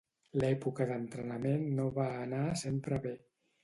L'època d'entrenament no va anar sempre bé.